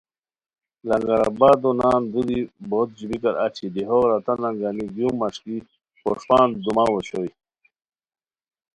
لنگر آبادو نان دُوری بو ت ژیبیکار اچی دیہو عوراتانان گانی گیو مݰکی پوݰپان دوماؤ اوشوئے